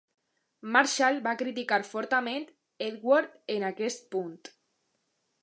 Marshall va criticar fortament Edgeworth en aquest punt.